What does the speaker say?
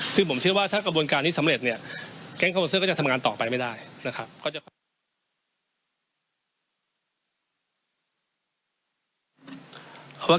ซึ่งผมเชื่อว่าถ้ากระบวนการนี้สำเร็จเนี่ยแก๊งคอมเซอร์ก็จะทำงานต่อไปไม่ได้นะครับ